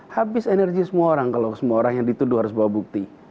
habis energi semua orang kalau semua orang yang dituduh harus bawa bukti